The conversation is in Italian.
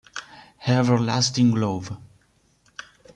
Everlasting Love